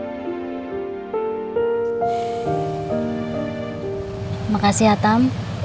terima kasih atam